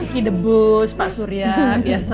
kiki the bus pak surya biasa